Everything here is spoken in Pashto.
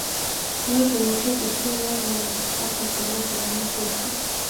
نور د موټر د تلو لار نه وه. هلته زما د عمه زوی سره